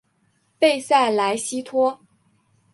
贝塞莱西托。